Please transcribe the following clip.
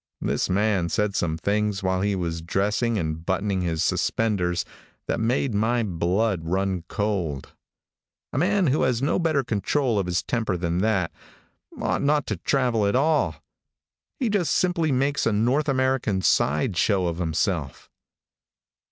This man said some things while he was dressing and buttoning his suspenders, that made my blood run cold. A man who has no better control of his temper than that, ought not to travel at all. He just simply makes a North American side show of himself.